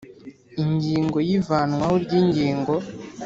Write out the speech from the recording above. Ingingo ya Ivanwaho ry ingingo